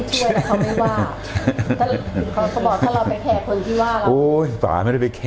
แต่จริงคนที่ว่าเราอะเขาก็ไม่ได้ช่วยหรอก